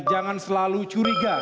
jangan selalu curiga